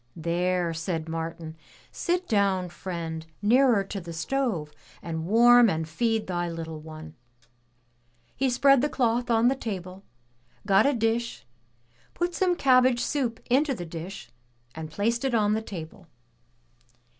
"There,'' said Martin, "Sit down, friend, nearer to the stove, and warm and feed thy little one." He spread the cloth on the table, got a dish, put some cabbage soup into the dish, and placed it on the table.